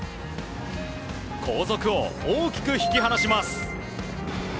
後続を大きく引き離します。